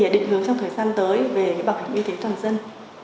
định hướng trong thời gian tới về bảo hiểm y tế toàn dân